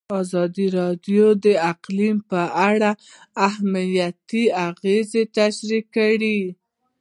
ازادي راډیو د اقلیم په اړه مثبت اغېزې تشریح کړي.